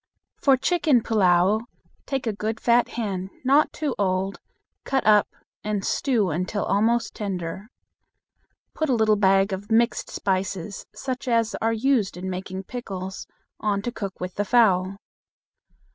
For chicken pullao, take a good fat hen, not too old, cut up and stew until almost tender. Put a little bag of "mixed spices," such as are used in making pickles, on to cook with the fowl.